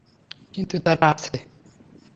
কিন্তু তারা আছে।